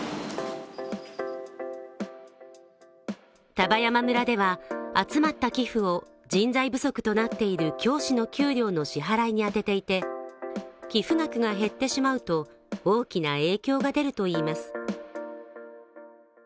丹波山村では集まった寄付を人材不足となっている教師の給料の支払いに充てていて、寄付額が減ってしまうと大きな影響が出るといいます。